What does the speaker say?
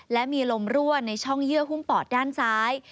และมีลมรั่วในช่องเยื่อหุ้มปอดด้านซ้าย